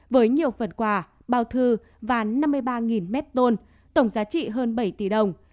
với nhiều phần quà bao thư và năm mươi ba mét tôn tổng giá trị hơn bảy tỷ đồng